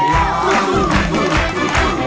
ร้องนะ